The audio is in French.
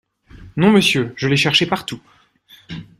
Non, monsieur, je l’ai cherché partout.